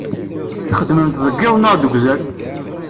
Txeddmemt deg iḍ neɣ deg uzal?